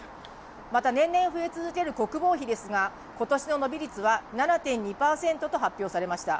また年々増え続ける国防費ですが今年の伸び率は７．２％と発表されました。